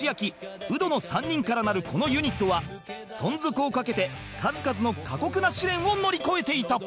ウドの３人からなるこのユニットは存続を懸けて数々の過酷な試練を乗り越えていた